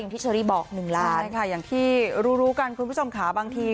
ที่เชอรี่บอก๑ล้านใช่ค่ะอย่างที่รู้รู้กันคุณผู้ชมค่ะบางที